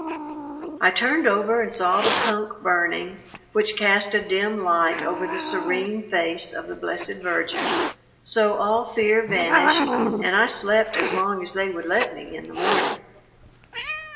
I turned over and saw the punk burning, which cast a dim light over the serene face of the Blessed Virgin, so all fear vanished and I slept as long as they would let me in the morning.